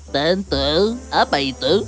tentu apa itu